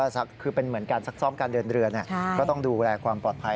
ซักซ้อมการเดินเรือก็ต้องดูแลความปลอดภัย